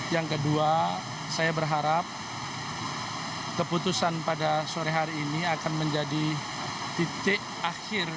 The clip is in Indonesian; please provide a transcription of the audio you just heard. yang kedua saya berharap keputusan pada sore hari ini akan menjadi titik akhir